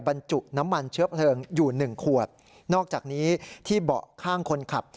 บรรจุน้ำมันเชื้อเพลิงอยู่หนึ่งขวดนอกจากนี้ที่เบาะข้างคนขับ